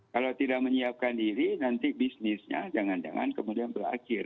kalau tidak menyiapkan diri nanti bisnisnya jangan jangan kemudian berakhir